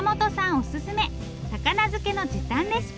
おすすめ高菜漬けの時短レシピ。